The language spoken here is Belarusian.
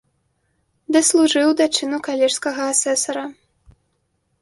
Даслужыў да чыну калежскага асэсара.